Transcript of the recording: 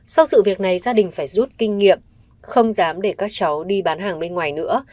sau sự việc này gia đình phải rút kinh nghiệm không dám để các cháu đi bán hàng bên ngoài nữa